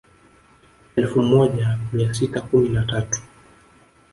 Elfu moja mia sita kumi na tatu